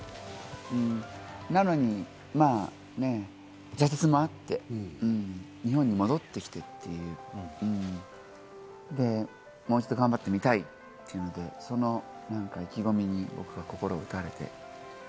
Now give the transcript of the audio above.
なのに挫折もあって日本に戻ってきてという、もう一度頑張ってみたいというその意気込みに僕は心を打たれて。